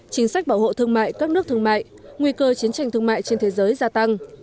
chính sách bảo hộ thương mại các nước thương mại nguy cơ chiến tranh thương mại trên thế giới gia tăng